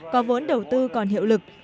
có vốn đầu tư còn hiệu lực